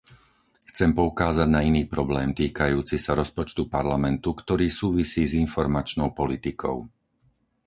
Chcem poukázať na iný problém týkajúci sa rozpočtu Parlamentu, ktorý súvisí s informačnou politikou.